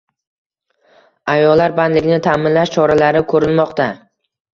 Ayollar bandligini ta’minlash choralari ko‘rilmoqda